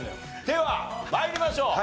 では参りましょう。